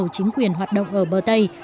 chính quyền hoạt động ở bờ tây